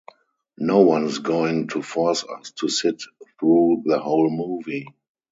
No one is going to force us to sit through the whole movie.